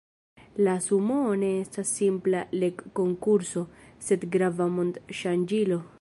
La Sumoo ne estas simpla legkonkurso, sed grava mond-ŝanĝilo.